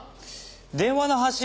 電話の発信